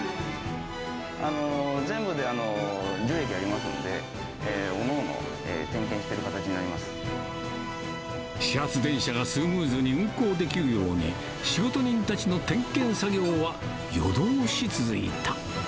全部で１０駅ありますので、始発電車がスムーズに運行できるように、仕事人たちの点検作業は夜通し続いた。